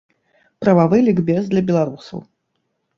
Прававы лікбез для беларусаў.